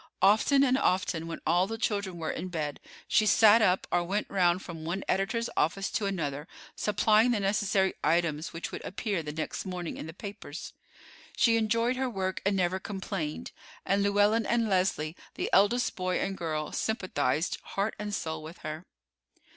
Often and often, when all the children were in bed, she sat up or went round from one editor's office to another supplying the necessary items which would appear the next morning in the papers. She enjoyed her work and never complained; and Llewellyn and Leslie, the eldest boy and girl, sympathized heart and soul with her.